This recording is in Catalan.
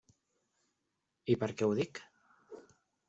I per què ho dic?